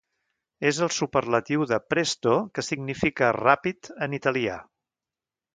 És el superlatiu de presto que significa 'ràpid' en italià.